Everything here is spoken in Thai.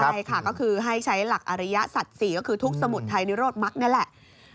ใช่ค่ะก็คือให้ใช้หลักอริยสัตว์๔ก็คือทุกสมุดไทยนิโรธมักนี่แหละ